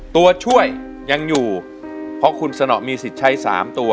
ตัวช่วยยังอยู่เพราะคุณสนอมีสิทธิ์ใช้๓ตัว